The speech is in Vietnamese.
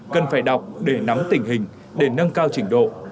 cần phải đọc để nắm tình hình để nâng cao trình độ